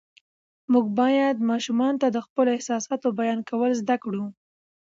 موږ باید ماشومانو ته د خپلو احساساتو بیان کول زده کړو